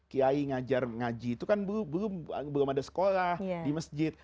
kiai ngajar ngaji itu kan belum ada sekolah di masjid